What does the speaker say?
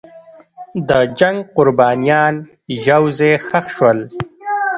د جنګ قربانیان یو ځای ښخ شول.